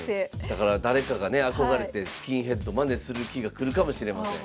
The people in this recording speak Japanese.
だから誰かがね憧れてスキンヘッドまねする日が来るかもしれません。